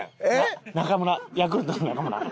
ヤクルトの中村。